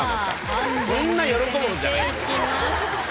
そんな喜ぶほどじゃない。